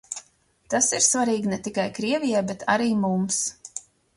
Tas ir svarīgi ne tikai Krievijai, bet arī mums.